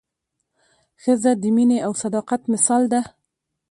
ښځه د مینې او صداقت مثال ده.